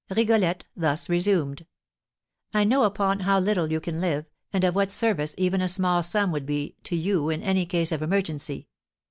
Rigolette thus resumed: "'I know upon how little you can live, and of what service even a small sum would be to you in any case of emergency.